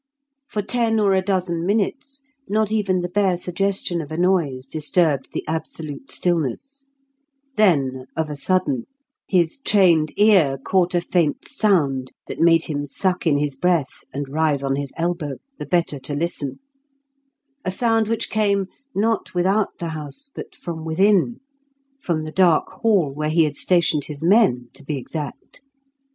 For ten or a dozen minutes not even the bare suggestion of a noise disturbed the absolute stillness; then of a sudden, his trained ear caught a faint sound that made him suck in his breath and rise on his elbow, the better to listen a sound which came, not without the house, but from within, from the dark hall where he had stationed his men, to be exact.